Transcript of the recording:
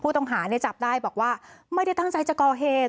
ต้องหาเนี่ยจับได้บอกว่าไม่ได้ตั้งใจจะก่อเหตุ